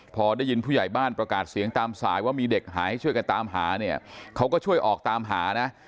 พอได้ยินผู้ใหญ่บ้านประกาศเสียงตามสายว่ามีเด็กหายช่วยกันตามหาเนี่ยเขาก็ช่วยออกตามหานะ